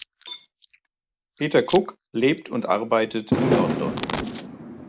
Peter Cook lebt und arbeitet in London.